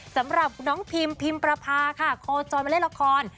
สำหรับน้องพิมพิมประพาค่ะโคจรมาเล่นละคร